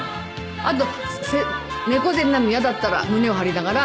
あと猫背になるの嫌だったら胸を張りながら。